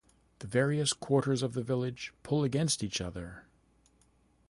The various quarters of the village pull against each other.